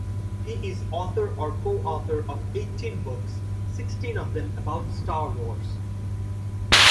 He is author or co-author of eighteen books, sixteen of them about "Star Wars".